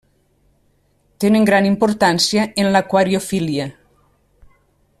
Tenen gran importància en l'aquariofília.